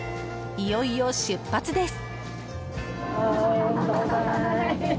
いよいよ出発です。